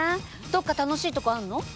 どっか楽しいとこあんの？